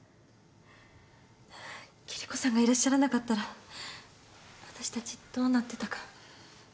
キリコさんがいらっしゃらなかったら私たちどうなってたか。